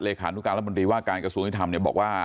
เลยค่ะแล้วบริวาคารกระทรวงอินทรรมเนี่ยบอกว่า